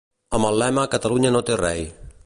Amb el lema Catalunya no té rei.